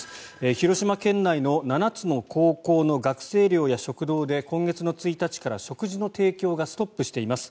広島県内の７つの高校の学生寮や、食堂で今月の１日から食事の提供がストップしています。